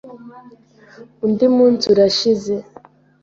Undi munsi urashize.